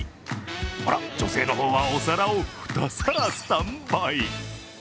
あら、女性の方はお皿を２皿スタンバイ。